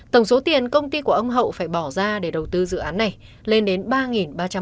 tổng số tiền công ty của ông hậu phải bỏ ra để đầu tư dự án này lên đến ba ba trăm linh